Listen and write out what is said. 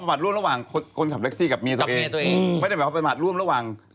พร้อมขับแท็กซีกับเนียตัวเอง